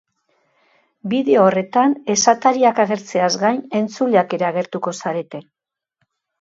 Bideo horretan, esatariak agertzeaz gain, entzuleak ere agertuko zarete!